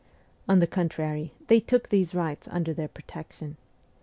On the contrary, they took these rights under their protection.